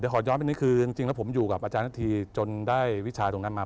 ขอย้อนไปนี่คือจริงแล้วผมอยู่กับอาจารย์นาธีจนได้วิชาตรงนั้นมา